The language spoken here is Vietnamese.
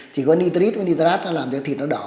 chỉ có nitrite và nitrate nó làm cho thịt nó đỏ